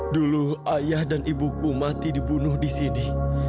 dulu ayah dan ibuku mati dibunuh di sini